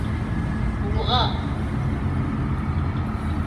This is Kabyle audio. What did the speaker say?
Uwɣeɣ.